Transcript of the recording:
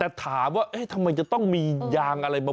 แต่ถามว่าทำไมมีอย่างอะไร